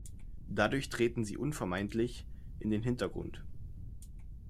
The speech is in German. Dadurch treten sie unvermeidlich in den Hintergrund.